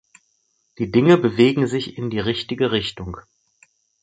Die Dinge bewegen sich in die richtige Richtung.